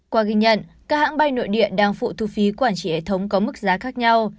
qua ghi nhận các hãng bay nội địa đang phụ thu phí quản trị hệ thống có mức giá khác nhau